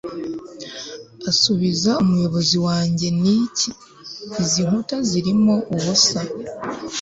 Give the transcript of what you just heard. asubiza umuyobozi wanjye niki! izi nkuta zirimo ubusa